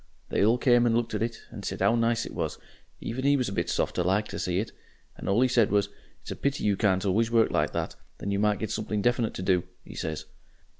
They all came and looked at it, and sai 'ow nice it was even 'e was a bit softer like to see it, and all he said was, 'It's a pity you can't always work like that, then you might get something definite to do,' he says.